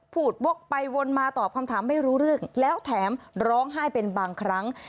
วกไปวนมาตอบคำถามไม่รู้เรื่องแล้วแถมร้องไห้เป็นบางครั้ง